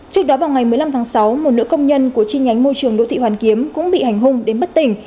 trước đó vào ngày một mươi năm tháng sáu một nữ công nhân của chi nhánh môi trường đỗ thị hoàn kiếm cũng bị hành hung đến bất tỉnh